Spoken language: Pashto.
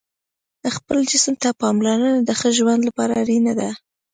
خپل جسم ته پاملرنه د ښه ژوند لپاره اړینه ده.